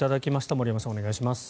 森山さん、お願いします。